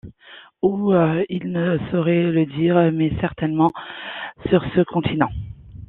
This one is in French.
Où, il ne saurait le dire, mais certainement sur ce continent.